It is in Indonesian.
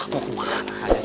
mau kemana aja sih